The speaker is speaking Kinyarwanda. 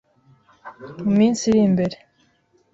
mu minsi iri imbere,